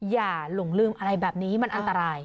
หลงลืมอะไรแบบนี้มันอันตราย